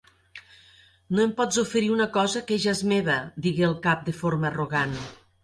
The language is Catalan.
"No em pots oferir una cosa que ja és meva", digué el cap de forma arrogant.